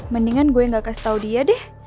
mendingan gue yang gak kasih tau dia deh